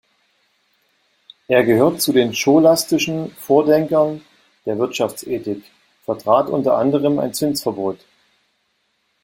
Er gehört zu den scholastischen Vordenkern der Wirtschaftsethik, vertrat unter anderem ein Zinsverbot.